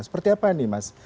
seperti apa ini mas